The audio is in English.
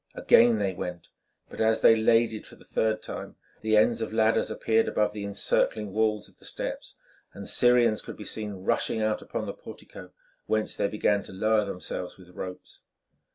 Again they went, but as they laded for the third time, the ends of ladders appeared above the encircling walls of the steps, and Syrians could be seen rushing out upon the portico, whence they began to lower themselves with ropes.